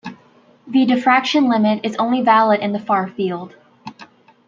The diffraction limit is only valid in the far field.